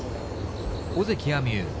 尾関彩美悠。